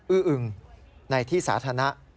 ื้ออึงในที่สาธารณะ